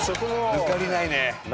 抜かりないね